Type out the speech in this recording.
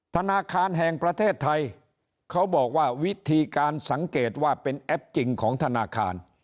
ธนาคารแห่งประเทศไทยเขาบอกว่าวิธีการสังเกตว่าเป็นแอปจริงของธนาคาร